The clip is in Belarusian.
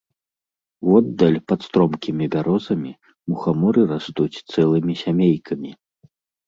Воддаль, пад стромкімі бярозамі, мухаморы растуць цэлымі сямейкамі.